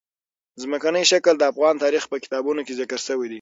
ځمکنی شکل د افغان تاریخ په کتابونو کې ذکر شوی دي.